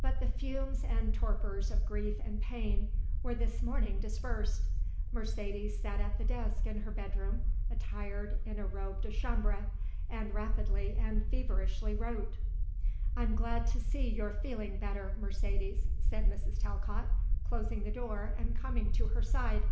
But the fumes and torpors of grief and pain were this morning dispersed. Mercedes sat at the desk in her bedroom attired in a robe de chambre, and rapidly and feverishly wrote. "I'm glad to see you're feeling better, Mercedes," said Mrs. Talcott, closing the door and coming to her side.